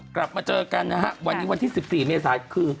กลับมาเจอกันนะฮะวันนี้วันที่๑๔เมษาคือ